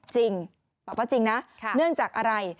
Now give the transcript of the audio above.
จริงตอบว่าจริงนะเนื่องจากอะไร